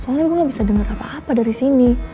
soalnya gue gak bisa dengar apa apa dari sini